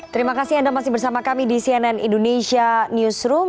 terima kasih anda masih bersama kami di cnn indonesia newsroom